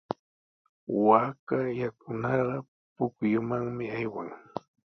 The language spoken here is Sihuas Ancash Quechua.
Waaka yakunarqa pukyupami aywan.